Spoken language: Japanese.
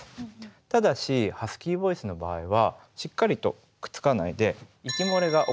ただしハスキーボイスの場合はしっかりとくっつかないで息漏れが起こってしまいます。